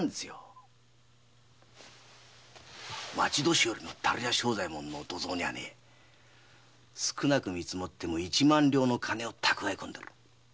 町年寄の樽屋庄左衛門の土蔵には少なくとも一万両の金がため込んである。